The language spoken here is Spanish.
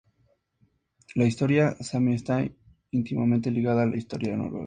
La historia sami está íntimamente ligada a la historia noruega.